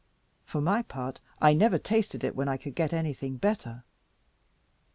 for my part, I never tasted it when I could get anything better.